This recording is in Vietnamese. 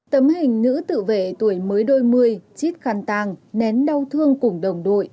tấm hình nữ tự vệ tuổi mới đôi mươi chít khăn tàng nén đau thương cùng đồng đội